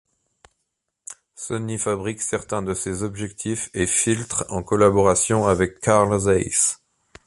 Sony fabrique certains de ses objectifs et filtres en collaboration avec Carl Zeiss.